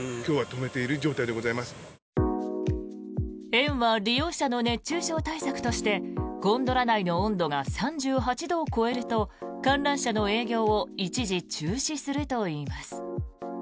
園は利用者の熱中症対策としてゴンドラ内の温度が３８度を超えると観覧車の営業を一時中止するといいます。